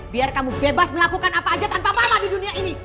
biar kamu bebas melakukan apa aja tanpa pala di dunia ini